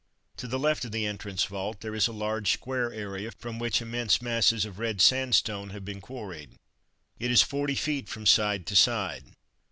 To the left of the entrance vault, there is a large square area from which immense masses of red sandstone have been quarried. It is forty feet from side to side.